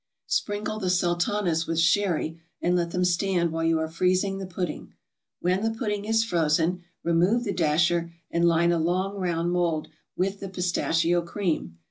Sprinkle the Sultanas with sherry and let them stand while you are freezing the pudding. When the pudding is frozen, remove the dasher and line a long round mold with the pistachio cream.